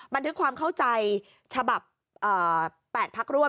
บันทึกความเข้าใจฉบับ๘พักร่วม